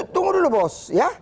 tunggu dulu bos